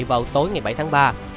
vào tối ngày bảy tháng ba